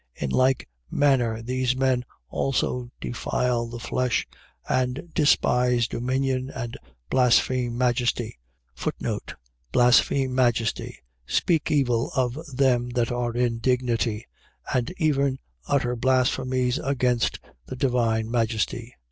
1:8. In like manner, these men also defile the flesh and despise dominion and blaspheme majesty. Blaspheme majesty. . .Speak evil of them that are in dignity; and even utter blasphemies against the divine majesty.